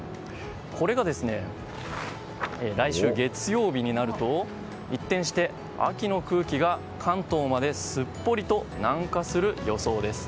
これが、来週月曜日になると一転して秋の空気が、関東まですっぽりと南下する予想です。